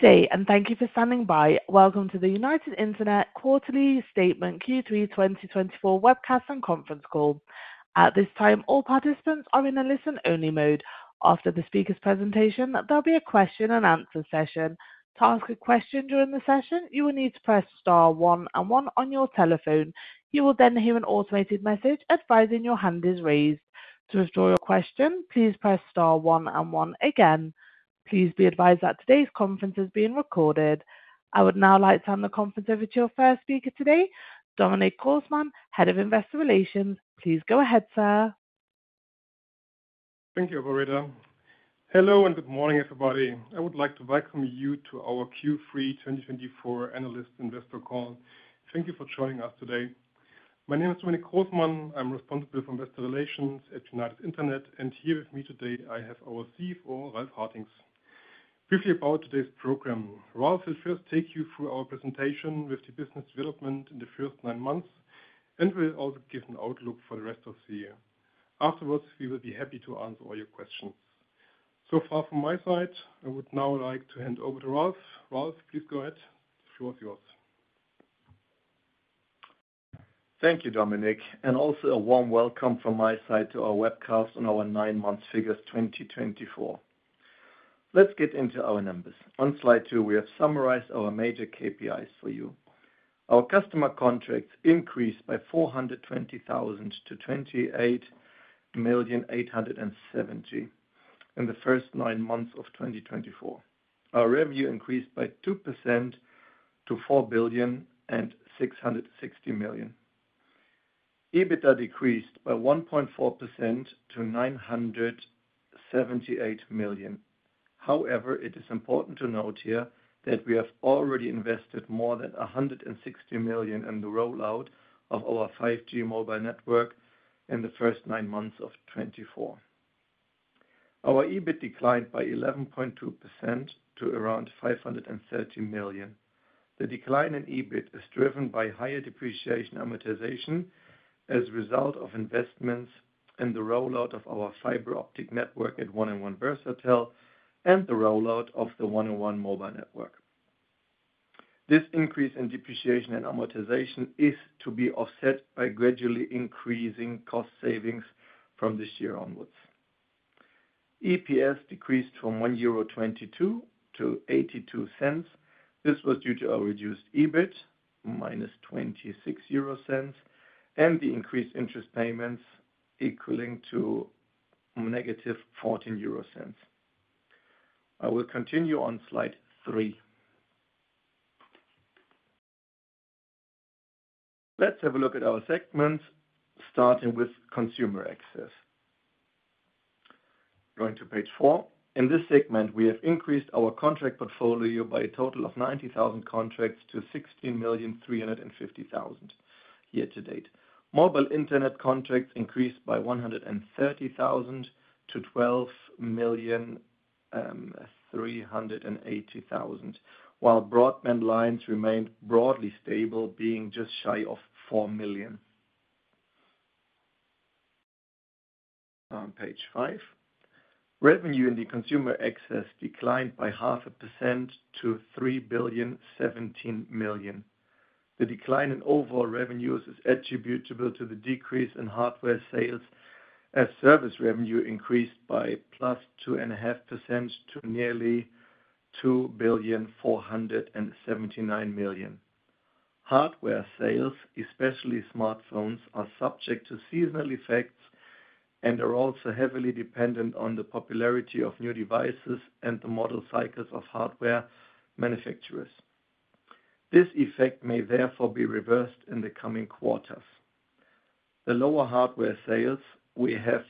Good day, and thank you for standing by. Welcome to the United Internet Quarterly Statement Q3 2024 Webcast and Conference Call. At this time, all participants are in a listen-only mode. After the speaker's presentation, there'll be a question-and-answer session. To ask a question during the session, you will need to press star one and one on your telephone. You will then hear an automated message advising your hand is raised. To withdraw your question, please press star one and one again. Please be advised that today's conference is being recorded. I would now like to hand the conference over to your first speaker today, Dominic Grossmann, Head of Investor Relations. Please go ahead, sir. Thank you, Aurora. Hello and good morning, everybody. I would like to welcome you to our Q3 2024 analyst investor call. Thank you for joining us today. My name is Dominic Grossmann. I'm responsible for investor relations at United Internet, and here with me today, I have our CFO, Ralf Hartings. Briefly about today's program, Ralf will first take you through our presentation with the business development in the first nine months, and we'll also give an outlook for the rest of the year. Afterwards, we will be happy to answer all your questions. So far, from my side, I would now like to hand over to Ralf. Ralf, please go ahead. The floor is yours. Thank you, Dominic, and also a warm welcome from my side to our webcast on our nine-month figures 2024. Let's get into our numbers. On slide two, we have summarized our major KPIs for you. Our customer contracts increased by 420,000 to 28,870 in the first nine months of 2024. Our revenue increased by 2% to 4,660,000. EBITDA decreased by 1.4% to 978,000,000. However, it is important to note here that we have already invested more than 160,000,000 in the rollout of our 5G mobile network in the first nine months of 2024. Our EBIT declined by 11.2% to around 530,000,000. The decline in EBIT is driven by higher depreciation amortization as a result of investments in the rollout of our fiber optic network at 1&1 Versatel and the rollout of the 1&1 mobile network. This increase in depreciation and amortization is to be offset by gradually increasing cost savings from this year onwards. EPS decreased from 1.22 euro - 0.82. This was due to our reduced EBIT, -0.26, and the increased interest payments equaling to -0.14. I will continue on slide three. Let's have a look at our segments, starting with consumer access. Going to page four. In this segment, we have increased our contract portfolio by a total of 90,000 contracts to 16,350,000 year to date. Mobile Internet contracts increased by 130,000 to 12,380,000, while broadband lines remained broadly stable, being just shy of 4,000,000. On page five, revenue in the consumer access declined by 0.5% to 3,017,000,000. The decline in overall revenues is attributable to the decrease in hardware sales as service revenue increased by +2.5% to nearly 2,479,000,000. Hardware sales, especially smartphones, are subject to seasonal effects and are also heavily dependent on the popularity of new devices and the model cycles of hardware manufacturers. This effect may therefore be reversed in the coming quarters. The lower hardware sales we have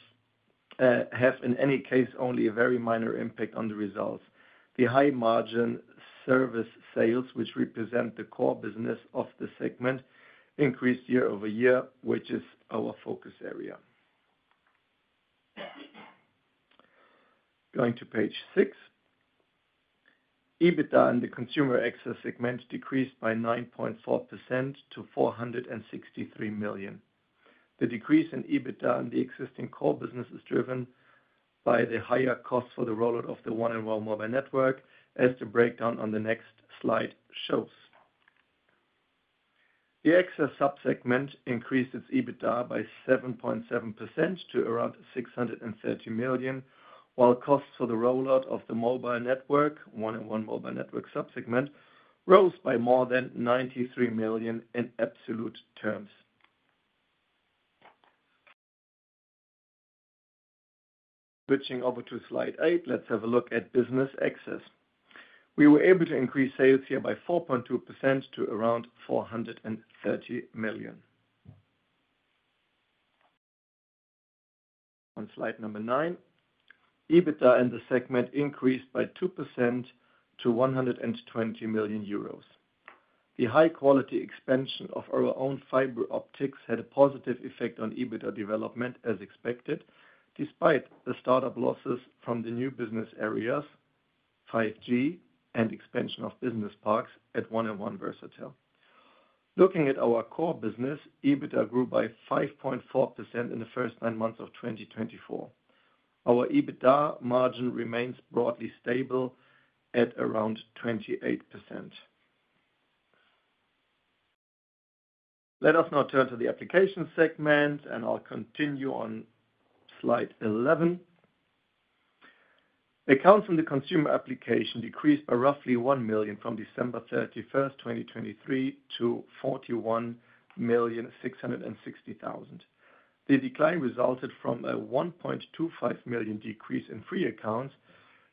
in any case only a very minor impact on the results. The high margin service sales, which represent the core business of the segment, increased year-over-year, which is our focus area. Going to page six, EBITDA in the consumer access segment decreased by 9.4% to 463 million. The decrease in EBITDA in the existing core business is driven by the higher cost for the rollout of the 1&1 mobile network, as the breakdown on the next slide shows. The access subsegment increased its EBITDA by 7.7% to around 630,000,000, while costs for the rollout of the mobile network, 1&1 mobile network subsegment, rose by more than 93,000,000 in absolute terms. Switching over to slide eight, let's have a look at business access. We were able to increase sales here by 4.2% to around 430,000,000. On slide number nine, EBITDA in the segment increased by 2% to 120,000,000 euros. The high-quality expansion of our own fiber optics had a positive effect on EBITDA development, as expected, despite the startup losses from the new business areas, 5G and expansion of business parks at 1&1 Versatel. Looking at our core business, EBITDA grew by 5.4% in the first nine months of 2024. Our EBITDA margin remains broadly stable at around 28%. Let us now turn to the application segment, and I'll continue on slide 11. Accounts in the Consumer Applications decreased by roughly 1,000,000 from December 31, 2023, to 41,660,000. The decline resulted from a 1.25 million decrease in free accounts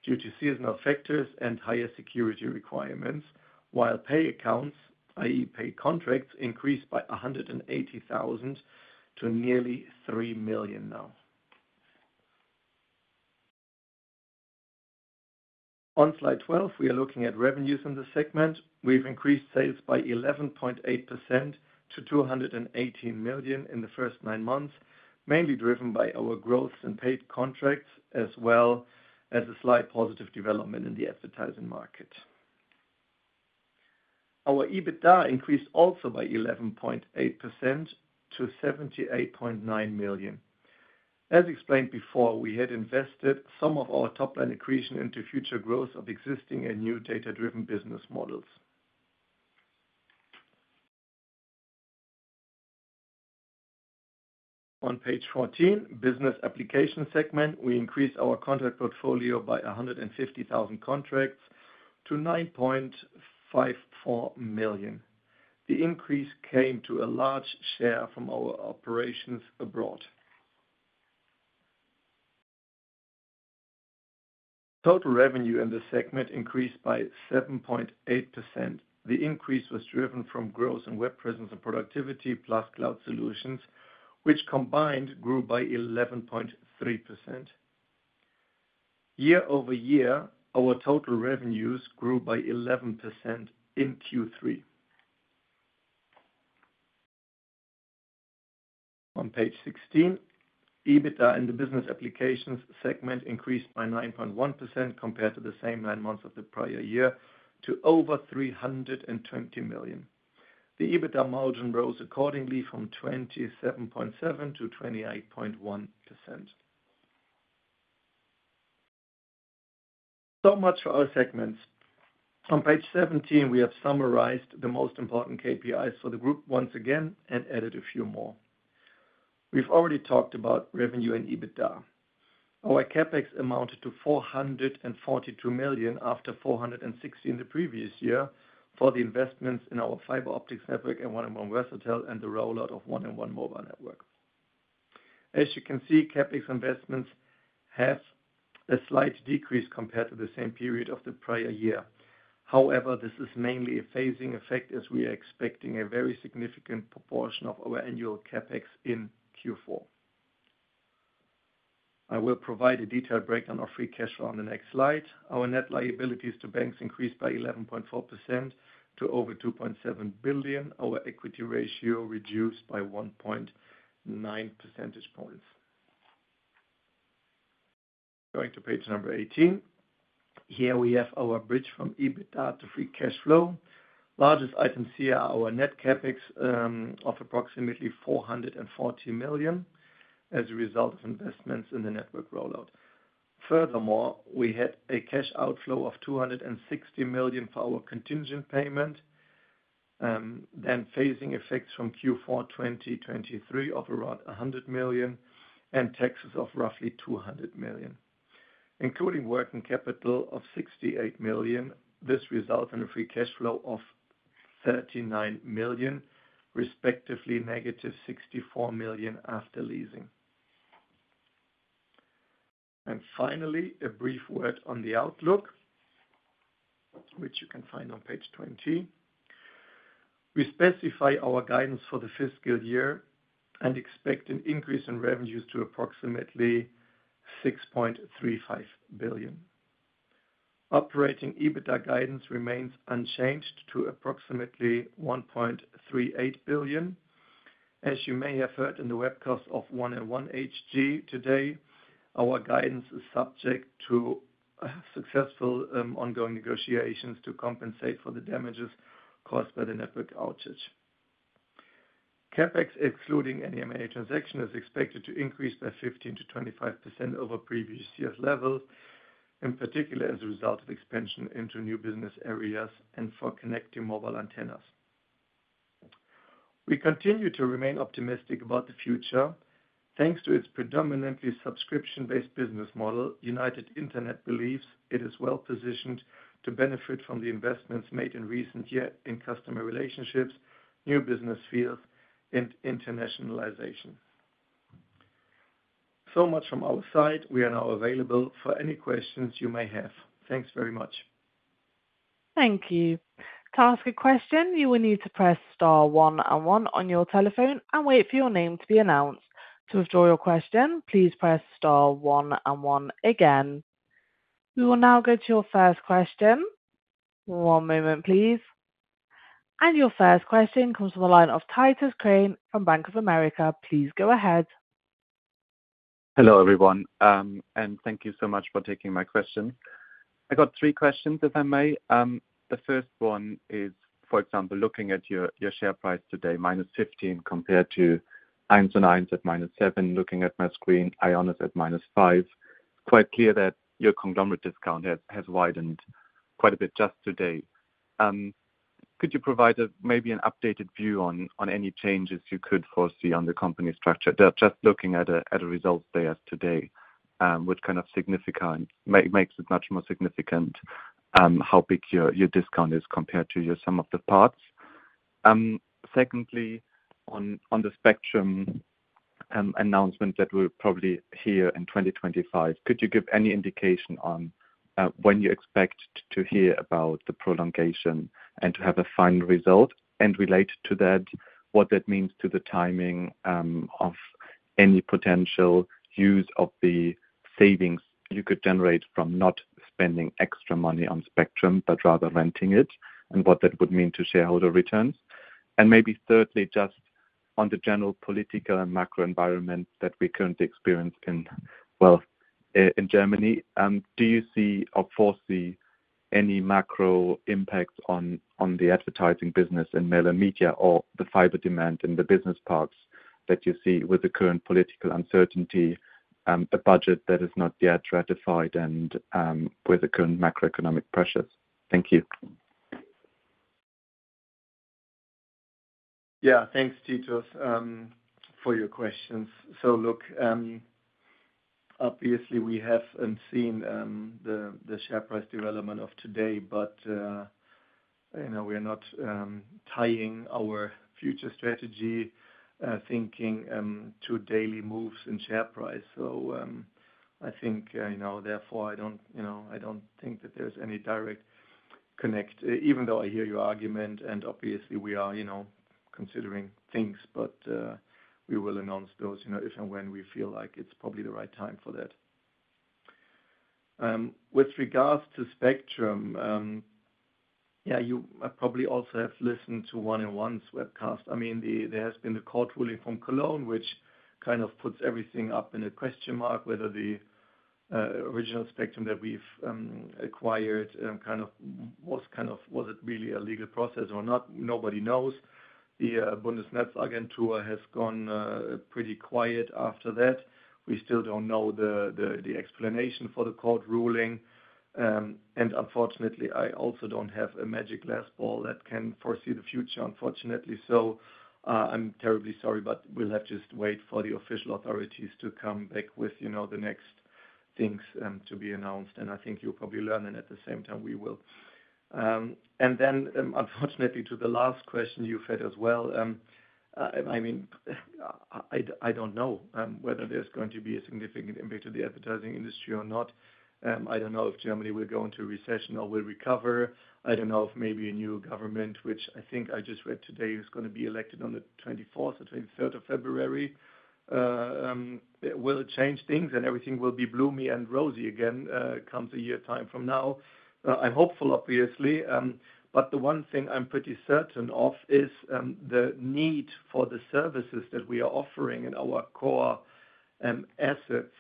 due to seasonal factors and higher security requirements, while pay accounts, i.e., pay contracts, increased by 180,000 to nearly 3,000,000 now. On slide 12, we are looking at revenues in the segment. We've increased sales by 11.8% to 218,000,000 in the first nine months, mainly driven by our growth in paid contracts, as well as a slight positive development in the advertising market. Our EBITDA increased also by 11.8% to 78,900,000. As explained before, we had invested some of our top-line equation into future growth of existing and new data-driven business models. On page 14, Business Applications segment, we increased our contract portfolio by 150,000 contracts to 9.54 million. The increase came to a large share from our operations abroad. Total revenue in the segment increased by 7.8%. The increase was driven from growth in web presence and productivity plus cloud solutions, which combined grew by 11.3%. Year-over-year, our total revenues grew by 11% in Q3. On page 16, EBITDA in the business applications segment increased by 9.1% compared to the same nine months of the prior year to over 320 million. The EBITDA margin rose accordingly from 27.7% - 28.1%. So much for our segments. On page 17, we have summarized the most important KPIs for the group once again and added a few more. We've already talked about revenue and EBITDA. Our CapEx amounted to 442 million after 460 million in the previous year for the investments in our fiber optics network and 1&1 Versatel and the rollout of 1&1 mobile network. As you can see, CapEx investments have a slight decrease compared to the same period of the prior year. However, this is mainly a phasing effect as we are expecting a very significant proportion of our annual CapEx in Q4. I will provide a detailed breakdown of free cash flow on the next slide. Our net liabilities to banks increased by 11.4% to over 2.7 billion. Our equity ratio reduced by 1.9 percentage points. Going to page number 18, here we have our bridge from EBITDA to free cash flow. Largest items here are our net CapEx of approximately 440,000,000 as a result of investments in the network rollout. Furthermore, we had a cash outflow of 260,000,000 for our contingent payment, then phasing effects from Q4 2023 of around 100,000,000 and taxes of roughly 200,000,000. Including working capital of 68,000,000, this resulted in a free cash flow of 39,000,000, respectively negative 64,000,000 after leasing. And finally, a brief word on the outlook, which you can find on page 20. We specify our guidance for the fiscal year and expect an increase in revenues to approximately 6.35 billion. Operating EBITDA guidance remains unchanged to approximately 1.38 billion. As you may have heard in the webcast of 1&1 AG today, our guidance is subject to successful ongoing negotiations to compensate for the damages caused by the network outage. CapEx, excluding any M&A transactions, is expected to increase by 15%-25% over previous year's levels, in particular as a result of expansion into new business areas and for connecting mobile antennas. We continue to remain optimistic about the future. Thanks to its predominantly subscription-based business model, United Internet believes it is well positioned to benefit from the investments made in recent years in customer relationships, new business fields, and internationalization. So much from our side. We are now available for any questions you may have. Thanks very much. Thank you. To ask a question, you will need to press star one and one on your telephone and wait for your name to be announced. To withdraw your question, please press star one and one again. We will now go to your first question. One moment, please. And your first question comes from the line of Titus Krahn from Bank of America. Please go ahead. Hello, everyone, and thank you so much for taking my question. I got three questions, if I may. The first one is, for example, looking at your share price today, minus 15% compared to 1&1 AG at -7%. Looking at my screen, IONOS at -5%. It's quite clear that your conglomerate discount has widened quite a bit just today. Could you provide maybe an updated view on any changes you could foresee on the company structure? Just looking at a result there today, what kind of significance makes it much more significant how big your discount is compared to your sum of the parts? Secondly, on the spectrum announcement that we'll probably hear in 2025, could you give any indication on when you expect to hear about the prolongation and to have a final result? Related to that, what that means to the timing of any potential use of the savings you could generate from not spending extra money on spectrum, but rather renting it, and what that would mean to shareholder returns? Maybe thirdly, just on the general political and macro environment that we currently experience in Germany, do you see or foresee any macro impacts on the advertising business and mail and media or the fiber demand in the business parks that you see with the current political uncertainty, a budget that is not yet ratified, and with the current macroeconomic pressures? Thank you. Yeah, thanks, Titus, for your questions. So look, obviously, we have seen the share price development of today, but we're not tying our future strategy thinking to daily moves in share price. So I think, therefore, I don't think that there's any direct connect, even though I hear your argument. And obviously, we are considering things, but we will announce those if and when we feel like it's probably the right time for that. With regards to spectrum, yeah, you probably also have listened to 1& 1's webcast. I mean, there has been the court ruling from Cologne, which kind of puts everything up in a question mark, whether the original spectrum that we've acquired kind of was it really a legal process or not, nobody knows. The Bundesnetzagentur has gone pretty quiet after that. We still don't know the explanation for the court ruling. Unfortunately, I also don't have a magic crystal ball that can foresee the future, unfortunately. I'm terribly sorry, but we'll have to just wait for the official authorities to come back with the next things to be announced. I think you'll probably learn, and at the same time, we will. Then, unfortunately, to the last question you've had as well, I mean, I don't know whether there's going to be a significant impact to the advertising industry or not. I don't know if Germany will go into recession or will recover. I don't know if maybe a new government, which I think I just read today is going to be elected on the 24th or 23rd of February, will change things and everything will be blooming and rosy again in a year's time from now. I'm hopeful, obviously. But the one thing I'm pretty certain of is the need for the services that we are offering and our core assets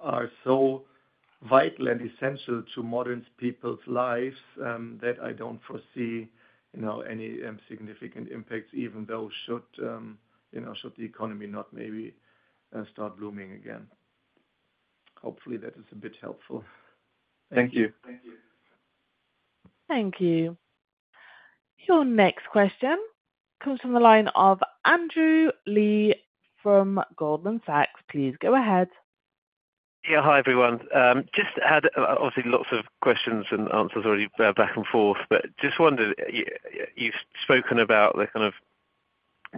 are so vital and essential to modern people's lives that I don't foresee any significant impacts, even though should the economy not maybe start blooming again. Hopefully, that is a bit helpful. Thank you. Thank you. Thank you. Your next question comes from the line of Andrew Lee from Goldman Sachs. Please go ahead. Yeah, hi, everyone. Just had, obviously, lots of questions and answers already back and forth, but just wondered, you've spoken about the kind of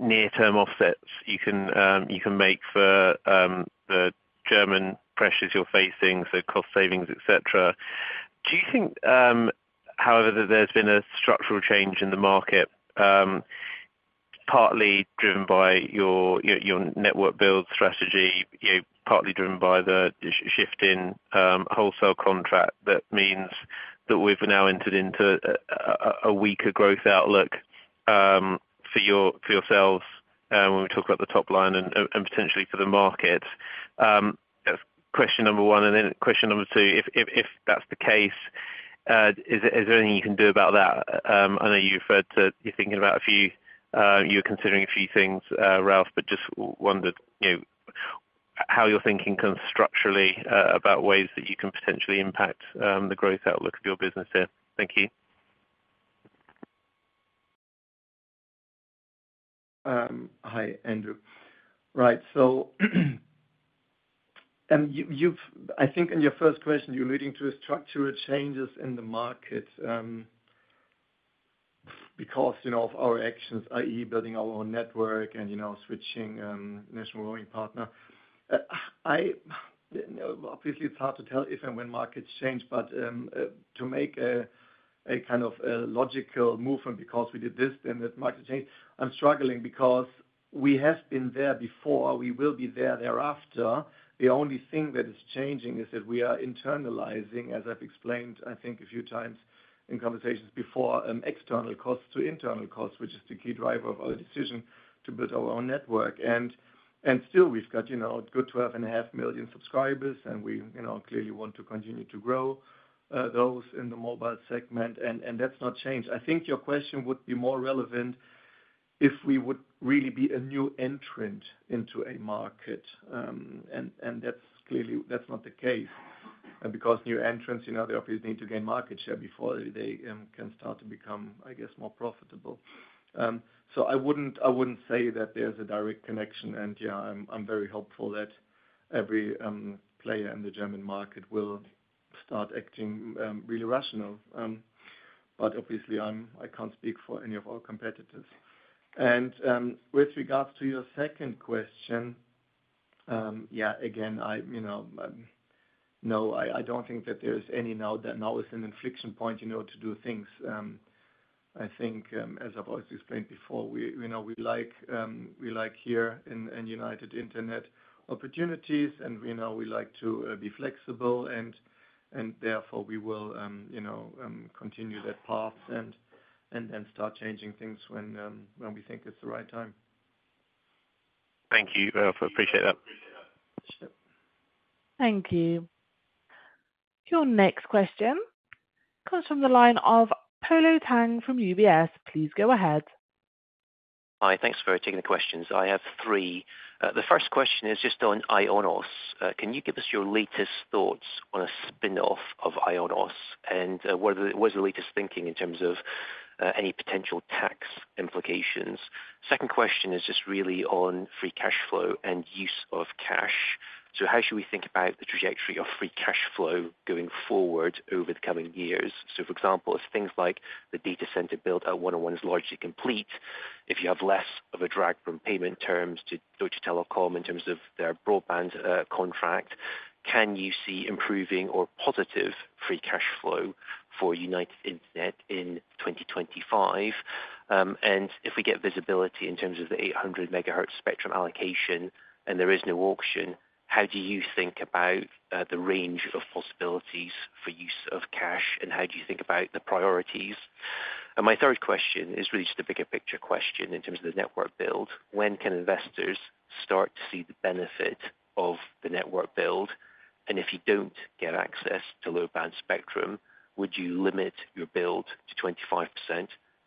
near-term offsets you can make for the German pressures you're facing, so cost savings, etc. Do you think, however, that there's been a structural change in the market, partly driven by your network build strategy, partly driven by the shift in wholesale contract that means that we've now entered into a weaker growth outlook for yourselves when we talk about the top line and potentially for the market? That's question number one, and then question number two, if that's the case, is there anything you can do about that? I know you're considering a few things, Ralf, but just wondered how you're thinking kind of structurally about ways that you can potentially impact the growth outlook of your business here. Thank you. Hi, Andrew. Right, so I think in your first question, you're leading to structural changes in the market because of our actions, i.e., building our own network and switching national roaming partner. Obviously, it's hard to tell if and when markets change, but to make a kind of logical movement because we did this and that market change, I'm struggling because we have been there before. We will be there thereafter. The only thing that is changing is that we are internalizing, as I've explained, I think, a few times in conversations before, external costs to internal costs, which is the key driver of our decision to build our own network. And still, we've got a good 12.5 million subscribers, and we clearly want to continue to grow those in the mobile segment. And that's not changed. I think your question would be more relevant if we would really be a new entrant into a market. And that's not the case because new entrants, they obviously need to gain market share before they can start to become, I guess, more profitable. So I wouldn't say that there's a direct connection. And yeah, I'm very hopeful that every player in the German market will start acting really rationally. But obviously, I can't speak for any of our competitors. And with regards to your second question, yeah, again, no, I don't think that there is any now that now is an inflection point to do things. I think, as I've always explained before, we like here in United Internet opportunities, and we like to be flexible. And therefore, we will continue that path and then start changing things when we think it's the right time. Thank you. I appreciate that. Thank you. Your next question comes from the line of Polo Tang from UBS. Please go ahead. Hi, thanks for taking the questions. I have three. The first question is just on IONOS. Can you give us your latest thoughts on a spin-off of IONOS? And what is the latest thinking in terms of any potential tax implications? Second question is just really on free cash flow and use of cash. So how should we think about the trajectory of free cash flow going forward over the coming years? So for example, if things like the data center build at 1&1 is largely complete, if you have less of a drag from payment terms to Deutsche Telekom in terms of their broadband contract, can you see improving or positive free cash flow for United Internet in 2025? And if we get visibility in terms of the 800 MHz spectrum allocation and there is no auction, how do you think about the range of possibilities for use of cash? And how do you think about the priorities? And my third question is really just a bigger picture question in terms of the network build. When can investors start to see the benefit of the network build? And if you don't get access to low-band spectrum, would you limit your build to 25%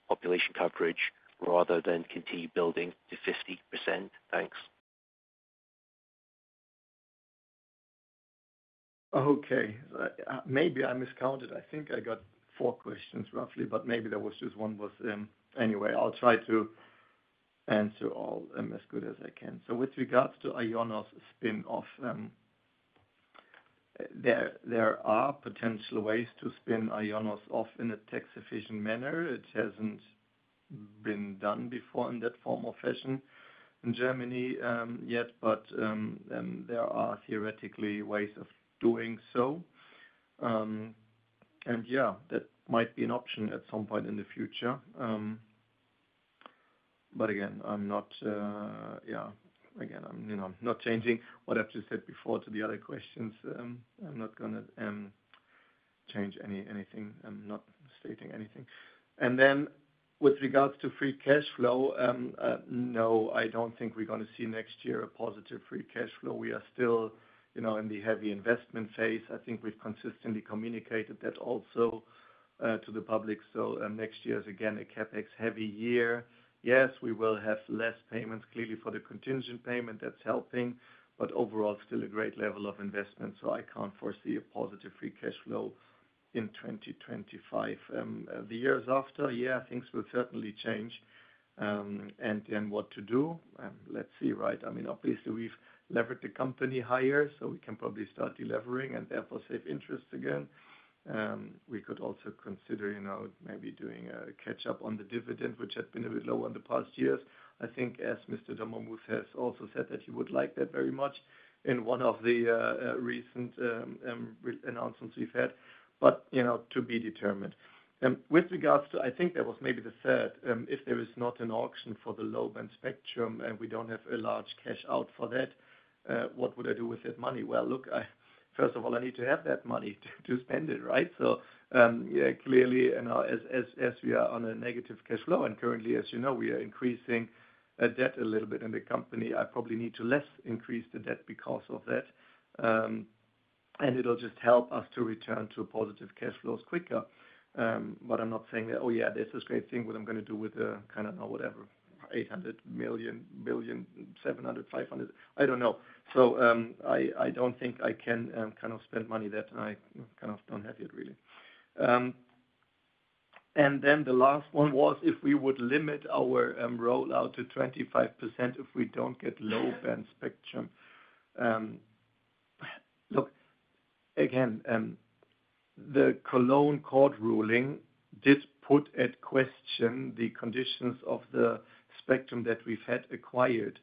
population coverage rather than continue building to 50%? Thanks. Okay. Maybe I miscounted. I think I got four questions roughly, but maybe there was just one anyway. I'll try to answer all as good as I can. So with regards to IONOS spin-off, there are potential ways to spin IONOS off in a tax-efficient manner. It hasn't been done before in that formal fashion in Germany yet, but there are theoretically ways of doing so. And yeah, that might be an option at some point in the future. But again, I'm not, yeah, again, I'm not changing what I've just said before to the other questions. I'm not going to change anything. I'm not stating anything. And then with regards to free cash flow, no, I don't think we're going to see next year a positive free cash flow. We are still in the heavy investment phase. I think we've consistently communicated that also to the public. So next year is again a CapEx-heavy year. Yes, we will have less payments, clearly for the contingent payment. That's helping, but overall, still a great level of investment. So I can't foresee a positive free cash flow in 2025. The years after, yeah, things will certainly change. And then what to do? Let's see, right? I mean, obviously, we've levered the company higher, so we can probably start delivering and therefore save interest again. We could also consider maybe doing a catch-up on the dividend, which had been a bit low in the past years. I think, as Mr. Dommermuth has also said, that he would like that very much in one of the recent announcements we've had, but to be determined. With regards to, I think that was maybe the third, if there is not an auction for the low-band spectrum and we don't have a large cash out for that, what would I do with that money? Well, look, first of all, I need to have that money to spend it, right? So clearly, as we are on a negative cash flow, and currently, as you know, we are increasing debt a little bit in the company, I probably need to less increase the debt because of that. And it'll just help us to return to positive cash flows quicker. But I'm not saying that, "Oh yeah, this is a great thing. What I'm going to do with the, I don't know, whatever, 800 million, 700 million, 500 million, I don't know." So I don't think I can kind of spend money that I kind of don't have yet, really. And then the last one was if we would limit our rollout to 25% if we don't get low-band spectrum. Look, again, the Cologne Court ruling did put at question the conditions of the spectrum that we've had acquired.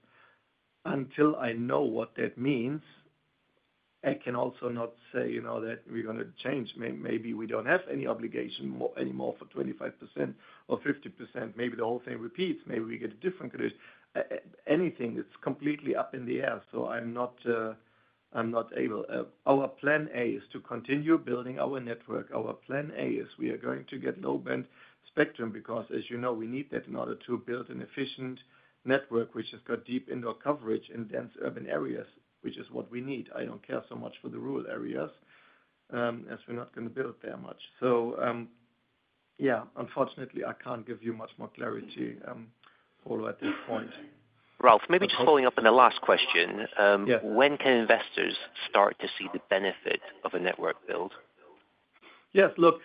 Until I know what that means, I can also not say that we're going to change. Maybe we don't have any obligation anymore for 25% or 50%. Maybe the whole thing repeats. Maybe we get a different condition. Anything, it's completely up in the air. So I'm not able. Our plan A is to continue building our network. Our plan A is we are going to get low-band spectrum because, as you know, we need that in order to build an efficient network, which has got deep indoor coverage in dense urban areas, which is what we need. I don't care so much for the rural areas as we're not going to build there much. So yeah, unfortunately, I can't give you much more clarity, Polo, at this point. Ralf, maybe just following up on the last question. When can investors start to see the benefit of a network build? Yes, look,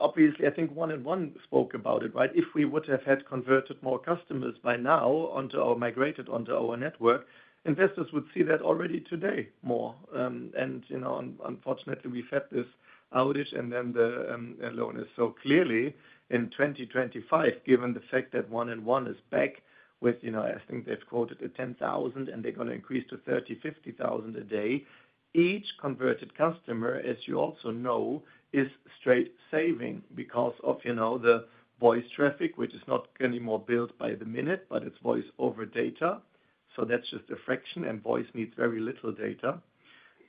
obviously, I think 1&1 AG spoke about it, right? If we would have had converted more customers by now onto our migrated network, investors would see that already today more. And unfortunately, we've had this outage, and then the loan is so clearly in 2025, given the fact that 1&1 AG is back with, I think they've quoted 10,000, and they're going to increase to 30,000, 50,000 a day. Each converted customer, as you also know, is straight saving because of the voice traffic, which is not anymore built by the minute, but it's voice over data. So that's just a fraction, and voice needs very little data.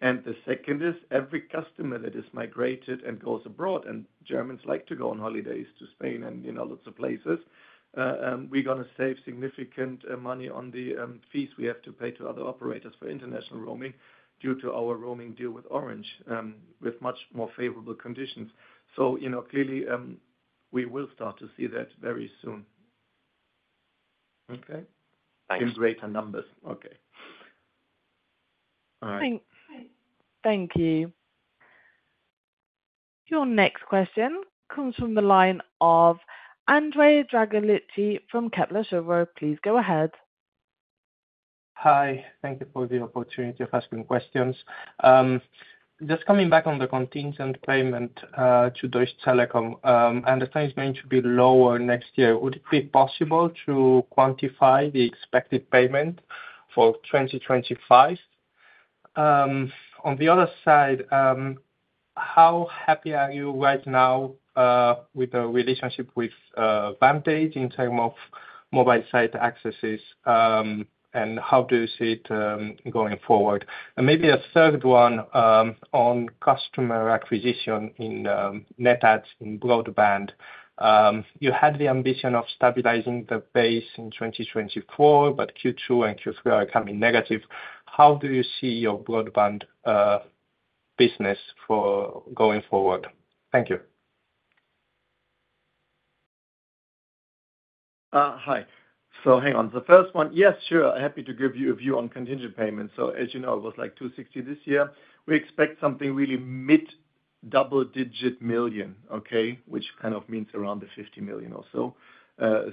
And the second is every customer that is migrated and goes abroad, and Germans like to go on holidays to Spain and lots of places, we're going to save significant money on the fees we have to pay to other operators for international roaming due to our roaming deal with Orange with much more favorable conditions. So clearly, we will start to see that very soon. Okay? Thanks. In greater numbers. Okay. All right. Thank you. Your next question comes from the line of Andrea Dragolitti from Kepler Cheuvreux. Please go ahead. Hi. Thank you for the opportunity of asking questions. Just coming back on the contingent payment to Deutsche Telekom, I understand it's going to be lower next year. Would it be possible to quantify the expected payment for 2025? On the other side, how happy are you right now with the relationship with Vantage in terms of mobile site accesses? And how do you see it going forward? And maybe a third one on customer acquisition in 1&1 in broadband. You had the ambition of stabilizing the base in 2024, but Q2 and Q3 are coming negative. How do you see your broadband business going forward? Thank you. Hi. So hang on. The first one, yes, sure. I'm happy to give you a view on contingent payments. So as you know, it was like €260 million this year. We expect something really mid-double-digit million, okay, which kind of means around the €50 million or so,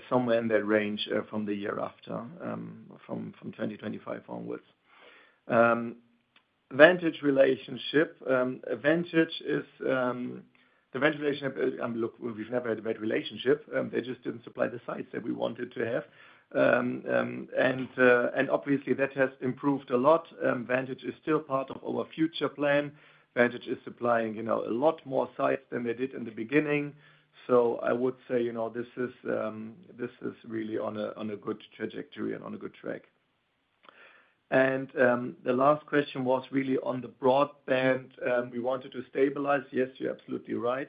somewhere in that range from the year after, from 2025 onwards. Vantage relationship. Vantage is the Vantage relationship, look, we've never had a bad relationship. They just didn't supply the sites that we wanted to have. And obviously, that has improved a lot. Vantage is still part of our future plan. Vantage is supplying a lot more sites than they did in the beginning. So I would say this is really on a good trajectory and on a good track. And the last question was really on the broadband. We wanted to stabilize. Yes, you're absolutely right.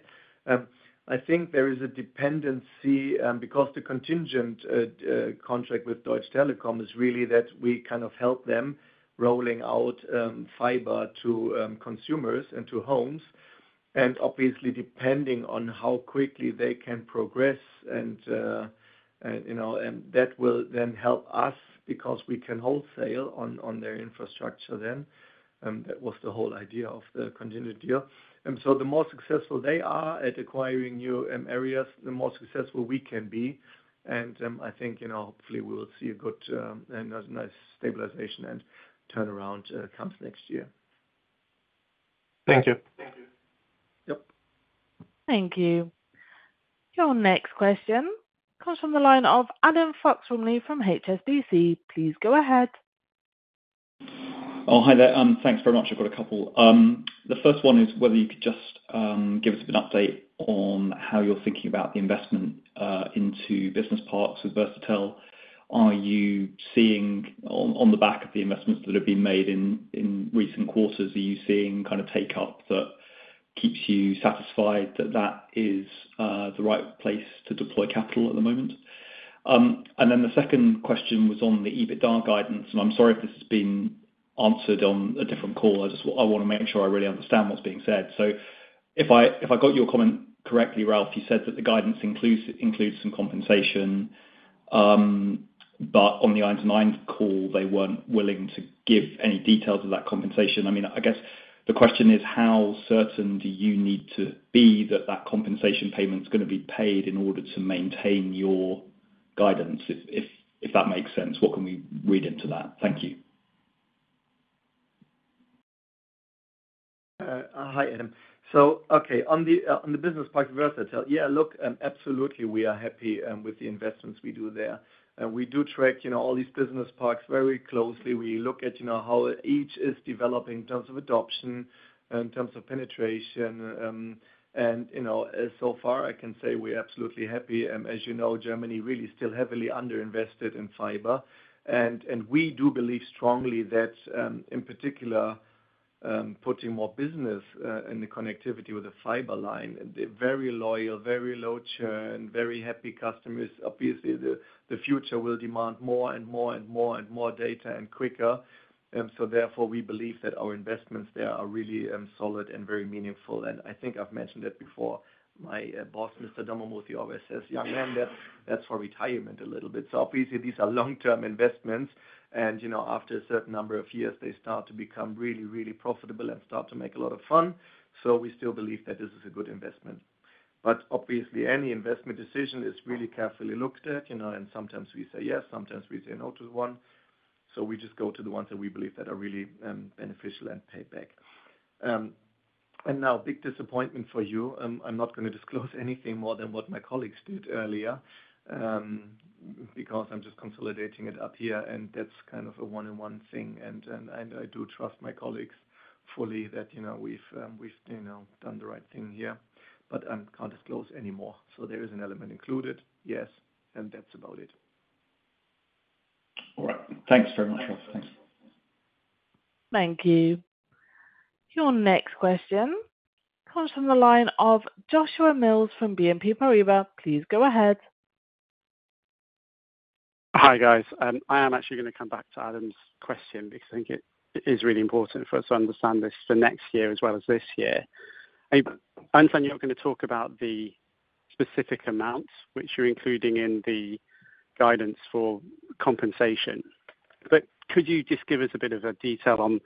I think there is a dependency because the contingent contract with Deutsche Telekom is really that we kind of help them rolling out fiber to consumers and to homes. And obviously, depending on how quickly they can progress, and that will then help us because we can wholesale on their infrastructure then. That was the whole idea of the contingent deal. And so the more successful they are at acquiring new areas, the more successful we can be. And I think hopefully we will see a good and a nice stabilization and turnaround comes next year. Thank you. Thank you. Yep. Thank you. Your next question comes from the line of Adam Fox-Rumley from HSBC. Please go ahead. Oh, hi there. Thanks very much. I've got a couple. The first one is whether you could just give us an update on how you're thinking about the investment into business parks with Versatel. Are you seeing on the back of the investments that have been made in recent quarters, are you seeing kind of take-up that keeps you satisfied that that is the right place to deploy capital at the moment? And then the second question was on the EBITDA guidance. And I'm sorry if this has been answered on a different call. I want to make sure I really understand what's being said. So if I got your comment correctly, Ralf, you said that the guidance includes some compensation, but on the IONOS call, they weren't willing to give any details of that compensation. I mean, I guess the question is, how certain do you need to be that that compensation payment is going to be paid in order to maintain your guidance, if that makes sense? What can we read into that? Thank you. Hi, Adam. So okay, on the business park for Versatel, yeah, look, absolutely, we are happy with the investments we do there. We do track all these business parks very closely. We look at how each is developing in terms of adoption, in terms of penetration. And so far, I can say we're absolutely happy. As you know, Germany really still heavily underinvested in fiber. And we do believe strongly that, in particular, putting more business in the connectivity with a fiber line, very loyal, very low churn, very happy customers, obviously, the future will demand more and more and more and more data and quicker. And so therefore, we believe that our investments there are really solid and very meaningful. And I think I've mentioned that before. My boss, Mr. Dommermuth, he always says, "Young man, that's for retirement a little bit." So obviously, these are long-term investments. After a certain number of years, they start to become really, really profitable and start to make a lot of fun. We still believe that this is a good investment. Obviously, any investment decision is really carefully looked at. Sometimes we say yes, sometimes we say no to one. We just go to the ones that we believe that are really beneficial and pay back. Now, big disappointment for you. I'm not going to disclose anything more than what my colleagues did earlier because I'm just consolidating it up here. That's kind of a one-on-one thing. I do trust my colleagues fully that we've done the right thing here. I can't disclose anymore. There is an element included, yes, and that's about it. All right. Thanks very much, Ralf. Thanks. Thank you. Your next question comes from the line of Joshua Mills from BNP Paribas. Please go ahead. Hi, guys. I am actually going to come back to Adam's question because I think it is really important for us to understand this for next year as well as this year. I understand you're going to talk about the specific amounts which you're including in the guidance for compensation. But could you just give us a bit of a detail on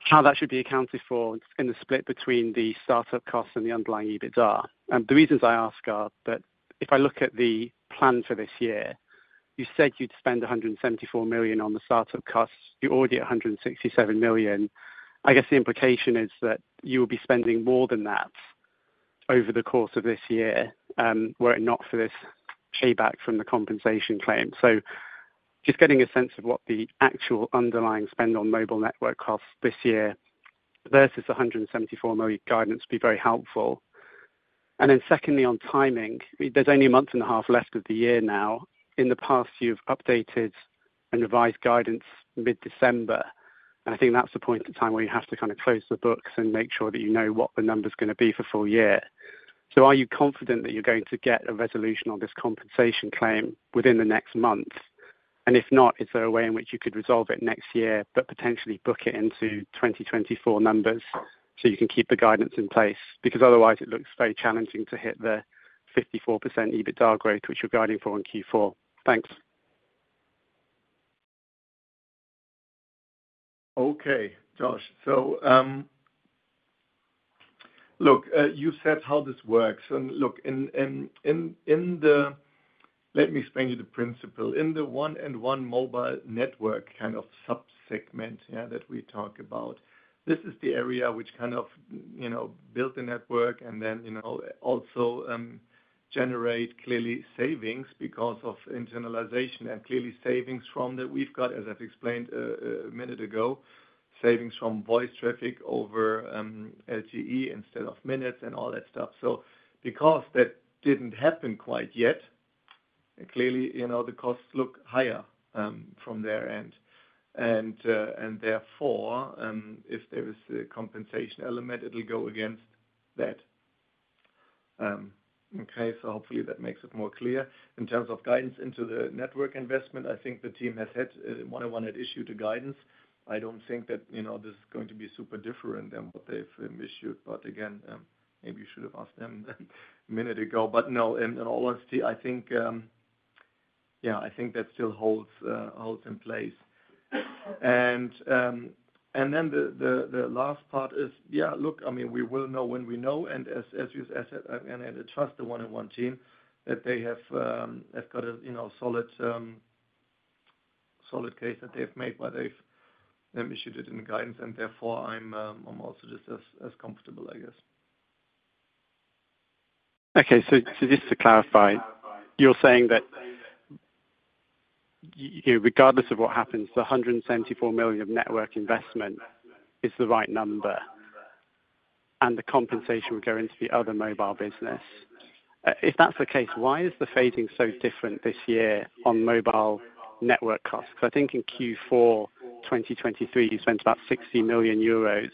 how that should be accounted for in the split between the startup costs and the underlying EBITDA? And the reasons I ask are that if I look at the plan for this year, you said you'd spend 174 million on the startup costs. You're already at 167 million. I guess the implication is that you will be spending more than that over the course of this year were it not for this payback from the compensation claim. So just getting a sense of what the actual underlying spend on mobile network costs this year versus the 174 million guidance would be very helpful. And then secondly, on timing, there's only a month and a half left of the year now. In the past, you've updated and revised guidance mid-December. And I think that's the point of time where you have to kind of close the books and make sure that you know what the number is going to be for full year. So are you confident that you're going to get a resolution on this compensation claim within the next month? And if not, is there a way in which you could resolve it next year but potentially book it into 2024 numbers so you can keep the guidance in place? Because otherwise, it looks very challenging to hit the 54% EBITDA growth, which you're guiding for in Q4. Thanks. Okay, Josh. So look, you said how this works. And look, in the, let me explain to you the principle. In the 1&1 mobile network kind of subsegment, yeah, that we talk about, this is the area which kind of build the network and then also generate clearly savings because of internalization and clearly savings from that we've got, as I've explained a minute ago, savings from voice traffic over LTE instead of minutes and all that stuff. So because that didn't happen quite yet, clearly the costs look higher from their end. And therefore, if there is a compensation element, it'll go against that. Okay? So hopefully that makes it more clear. In terms of guidance into the network investment, I think the team has had, 1&1 had issued a guidance. I don't think that this is going to be super different than what they've issued. But again, maybe you should have asked them a minute ago. But no, in all honesty, I think, yeah, I think that still holds in place. And then the last part is, yeah, look, I mean, we will know when we know. And as you said, I'm going to trust the 1&1 team that they have got a solid case that they've made where they've issued it in the guidance. And therefore, I'm also just as comfortable, I guess. Okay. So just to clarify, you're saying that regardless of what happens, the 174 million EUR of network investment is the right number, and the compensation would go into the other mobile business. If that's the case, why is the phasing so different this year on mobile network costs? Because I think in Q4 2023, you spent about 60 million euros.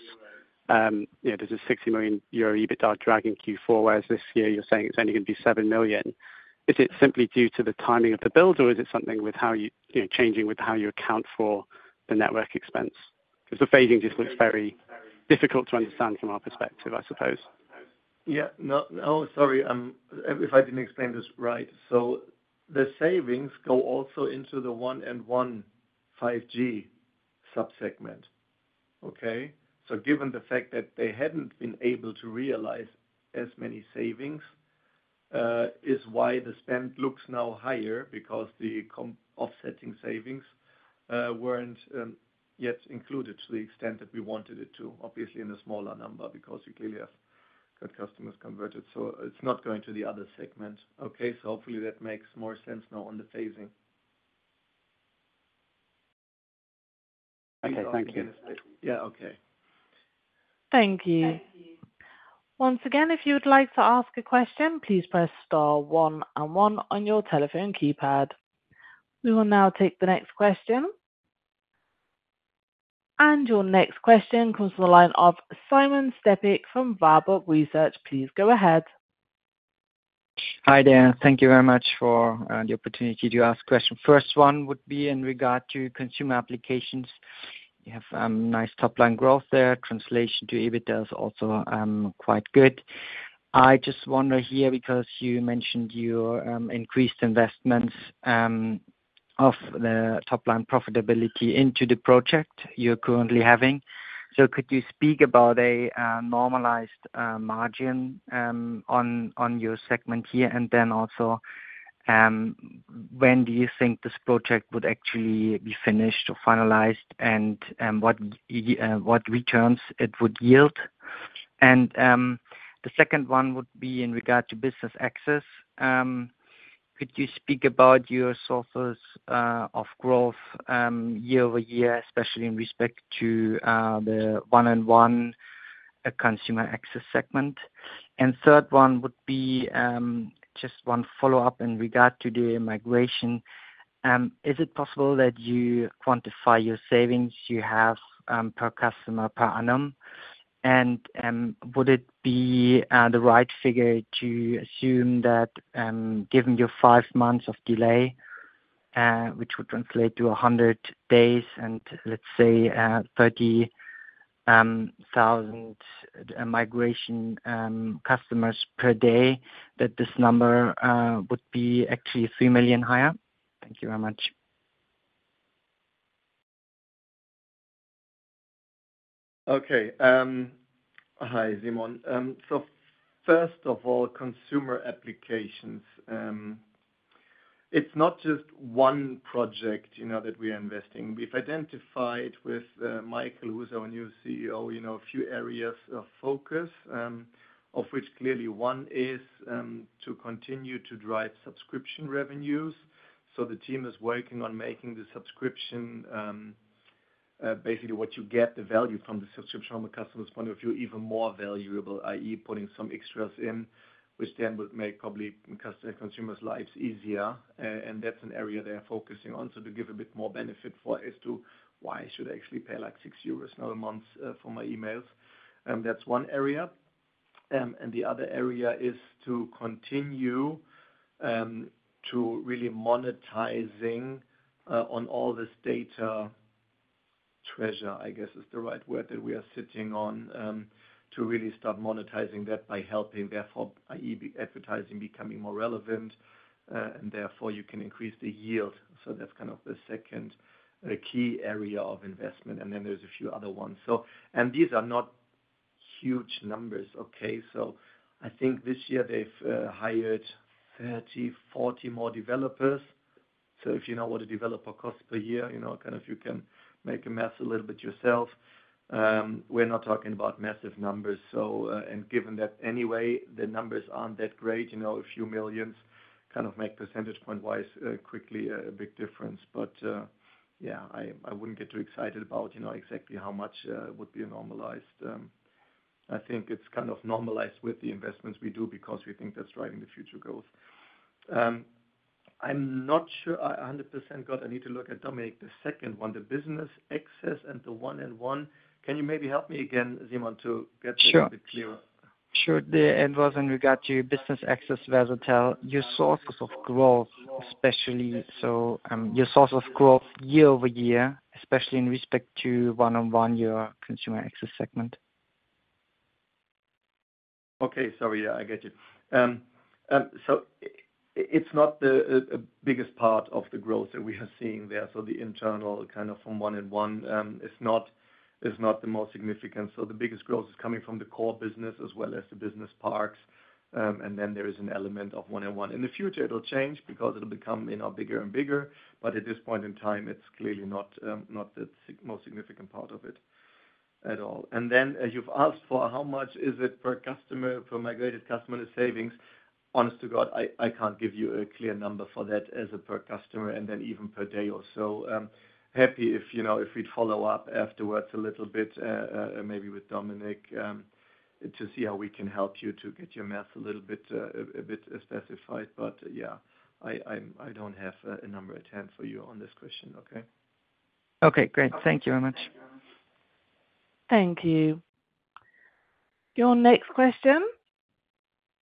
There's a 60 million euro EBITDA drag in Q4, whereas this year you're saying it's only going to be 7 million EUR. Is it simply due to the timing of the build, or is it something with how you're changing with how you account for the network expense? Because the phasing just looks very difficult to understand from our perspective, I suppose. Yeah. Oh, sorry. If I didn't explain this right, so the savings go also into the 1&1 5G subsegment, okay? So given the fact that they hadn't been able to realize as many savings is why the spend looks now higher because the offsetting savings weren't yet included to the extent that we wanted it to, obviously in a smaller number because we clearly have got customers converted. So it's not going to the other segment. Okay? So hopefully that makes more sense now on the phasing. Okay. Thank you. Yeah. Okay. Thank you. Once again, if you'd like to ask a question, please press star one and one on your telephone keypad. We will now take the next question. And your next question comes from the line of Simon Stäppig from Warburg Research. Please go ahead. Hi, Dan. Thank you very much for the opportunity to ask a question. First one would be in regard to consumer applications. You have nice top-line growth there. Translation to EBITDA is also quite good. I just wonder here because you mentioned your increased investments of the top-line profitability into the project you're currently having. So could you speak about a normalized margin on your segment here? And then also, when do you think this project would actually be finished or finalized and what returns it would yield? And the second one would be in regard to business access. Could you speak about your sources of growth year over year, especially in respect to the 1&1 consumer access segment? And third one would be just one follow-up in regard to the migration. Is it possible that you quantify your savings you have per customer per annum? Would it be the right figure to assume that given your five months of delay, which would translate to 100 days and let's say 30,000 migration customers per day, that this number would be actually 3 million higher? Thank you very much. Okay. Hi, Simon. So first of all, consumer applications. It's not just one project that we are investing. We've identified with Michael, who's our new CEO, a few areas of focus, of which clearly one is to continue to drive subscription revenues. So the team is working on making the subscription, basically what you get, the value from the subscription from a customer's point of view, even more valuable, i.e., putting some extras in, which then would make probably consumers' lives easier. And that's an area they're focusing on. So, to give a bit more benefit, for instance, why should I actually pay like 6 euros now a month for my emails? That's one area. And the other area is to continue to really monetizing on all this data treasure, I guess is the right word that we are sitting on, to really start monetizing that by helping, therefore, i.e., advertising becoming more relevant. And therefore, you can increase the yield. So that's kind of the second key area of investment. And then there's a few other ones. And these are not huge numbers, okay? So I think this year they've hired 30-40 more developers. So if you know what a developer costs per year, kind of you can make a math a little bit yourself. We're not talking about massive numbers. And given that anyway, the numbers aren't that great. A few millions kind of make percentage point-wise quickly a big difference. But yeah, I wouldn't get too excited about exactly how much would be normalized. I think it's kind of normalized with the investments we do because we think that's driving the future growth. I'm not sure I 100% got. I need to look at Dominic. The second one, the Business Access and the 1&1. Can you maybe help me again, Simon, to get a bit clearer? Sure. The end was in regard to business access Versatel. Your sources of growth, especially—so your source of growth year over year, especially in respect to 1&1 your consumer access segment. Okay. Sorry. Yeah, I get you. So it's not the biggest part of the growth that we are seeing there. So the internal kind of from 1&1 is not the most significant. So the biggest growth is coming from the core business as well as the business parks. And then there is an element of 1&1. In the future, it'll become bigger and bigger. But at this point in time, it's clearly not the most significant part of it at all. And then you've asked for how much is it per customer for migrated customer savings. Honest to God, I can't give you a clear number for that as a per customer and then even per day. So happy if we'd follow up afterwards a little bit, maybe with Dominic, to see how we can help you to get your math a little bit specified. But yeah, I don't have a number at hand for you on this question, okay? Okay. Great. Thank you very much. Thank you. Your next question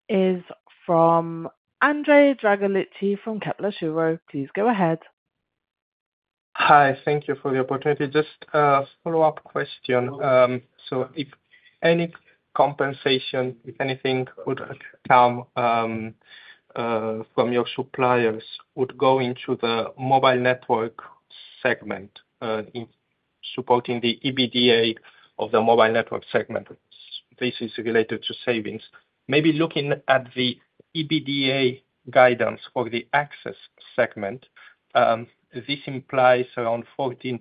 is from Andrea Dragolitti from Kepler Cheuvreux. Please go ahead. Hi. Thank you for the opportunity. Just a follow-up question. So if any compensation, if anything would come from your suppliers, would go into the mobile network segment supporting the EBITDA of the mobile network segment, this is related to savings. Maybe looking at the EBITDA guidance for the access segment, this implies around 14%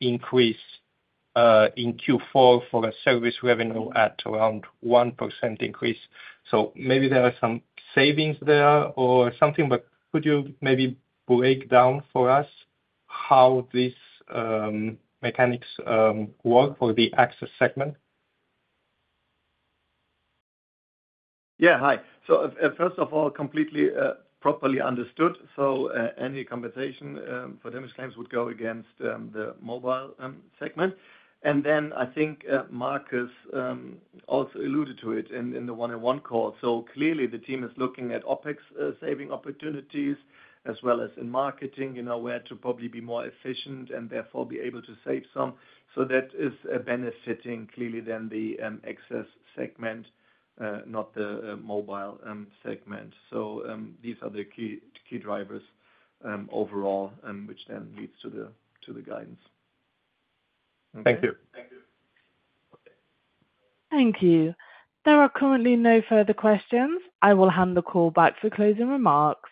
increase in Q4 for a service revenue at around 1% increase. So maybe there are some savings there or something. But could you maybe break down for us how these mechanics work for the access segment? Yeah. Hi. So first of all, completely properly understood. So any compensation for damage claims would go against the mobile segment. And then I think Markus also alluded to it in the 1&1 call. So clearly, the team is looking at OPEX saving opportunities as well as in marketing where to probably be more efficient and therefore be able to save some. So that is benefiting clearly then the access segment, not the mobile segment. So these are the key drivers overall, which then leads to the guidance. Thank you. Thank you. There are currently no further questions. I will hand the call back for closing remarks.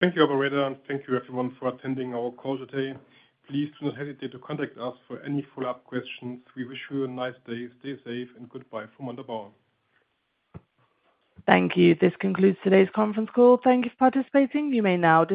Thank you, Andrea. And thank you, everyone, for attending our call today. Please do not hesitate to contact us for any follow-up questions. We wish you a nice day. Stay safe. And goodbye from Montabaur. Thank you. This concludes today's conference call. Thank you for participating. You may now.